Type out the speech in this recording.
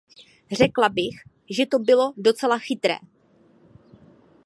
Řekla bych, že to bylo docela chytré.